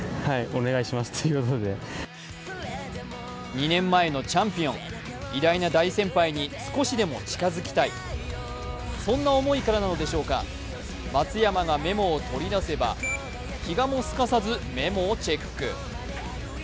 ２年前のチャンピオン、偉大な大先輩に少しでも近づきたい、そんな思いからなのでしょうか、松山がメモを取り出せば、比嘉もすかさずメモをチェック。